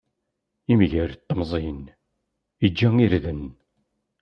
Imger timẓin, iǧǧa irden.